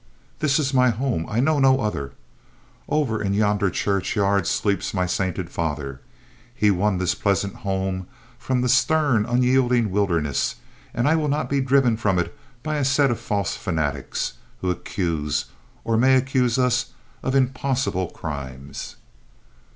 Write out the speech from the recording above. "This is my home. I know no other. Over in yonder church yard, sleeps my sainted father. He won this pleasant home from the stern, unyielding wilderness, and I will not be driven from it by a set of false fanatics, who accuse, or may accuse us of impossible crimes."